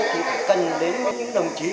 thì cần đến những đồng chí